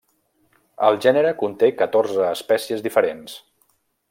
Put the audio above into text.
El gènere conté catorze espècies diferents.